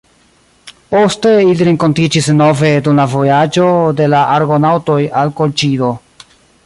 Poste ili renkontiĝis denove dum la vojaĝo de la argonaŭtoj al Kolĉido.